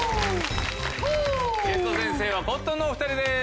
ゲスト先生はコットンのお２人です。